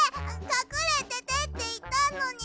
かくれててっていったのに。